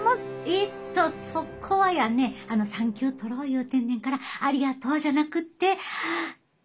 えっとそこはやね産休とろう言うてんねんからありがとうじゃなくって。